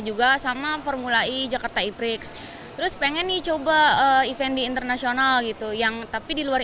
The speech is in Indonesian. juga sama formulai jakarta iprix terus pengen nih coba event di internasional gitu yang tapi di luar